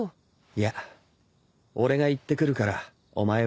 いや俺が行ってくるからお前は家にいてくれ。